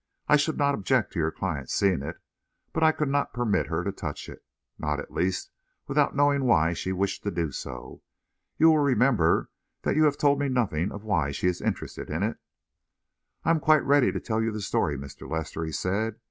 I should not object to your client seeing it, but I could not permit her to touch it not, at least, without knowing why she wished to do so. You will remember that you have told me nothing of why she is interested in it." "I am quite ready to tell you the story, Mr. Lester," he said.